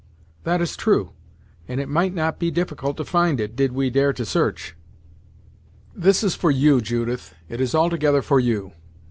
"That is true, and it might not be difficult to find it, did we dare to search!" "This is for you, Judith; it is altogether for you.